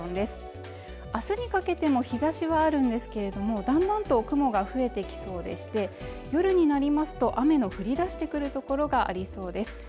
明日にかけても日差しはあるんですけれどもだんだんと雲が増えてきそうでして夜になりますと雨の降りだしてくる所がありそうです